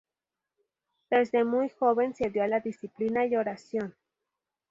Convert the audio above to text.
Desde muy joven se dio a la disciplina y oración.